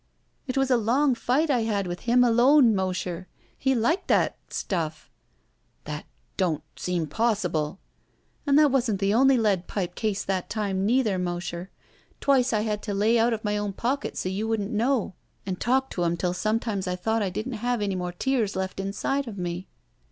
It was a long fight I had with him alone, Mosher. He Uked that— stuff.'* That — don't — seem possible." ''And that wasn't the only lead pipe case that time, neither, Mosher. Twice I had to lay out of my own pocket so you wouldn't know, and talk to him 'til sometimes I thought I didn't have any more tears left inside of me.